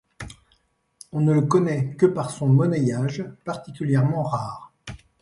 On ne le connait que par son monnayage, particulièrement rare.